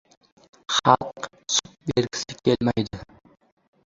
Xalq sut bergisi kelmaydi.